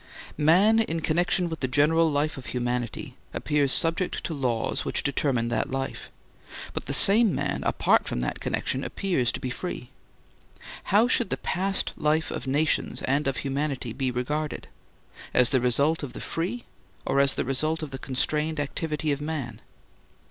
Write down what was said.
Man in connection with the general life of humanity appears subject to laws which determine that life. But the same man apart from that connection appears to be free. How should the past life of nations and of humanity be regarded—as the result of the free, or as the result of the constrained, activity of man?